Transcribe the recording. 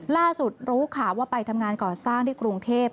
ล่าสุดรู้ข่าวว่าไปทำงานก่อสร้างที่กรุงเทพ